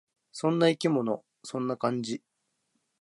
そんな生き物。そんな感じ。